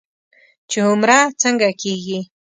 چې عمره څنګه کېږي.